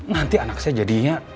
nanti anak saya jadinya